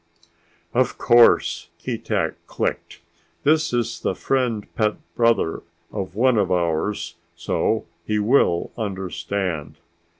"Of course," Keetack clicked. "This is the friend pet brother of one of ours, so he will understand."